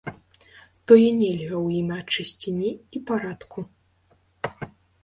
Тое нельга у імя чысціні і парадку.